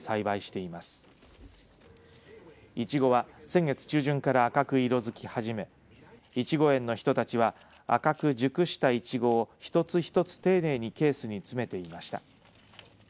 いちごは先月中旬から赤く色づき始めいちご園の人たちは赤く熟したいちごをひとつひとつ丁寧にケースに詰めていました。